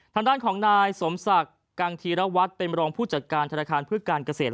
ทางด้านของนายสมศักดิ์กังธีรวัตรเป็นรองผู้จัดการธนาคารเพื่อการเกษตร